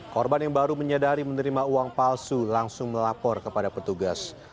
korban yang baru menyadari menerima uang palsu langsung melapor kepada petugas